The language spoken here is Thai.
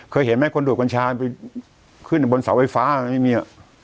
เคยเห็นไหมคนดูดกัญชาไปขึ้นบนเสาไฟฟ้าไม่มี